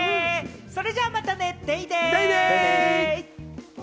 それじゃまたね、デイデイ！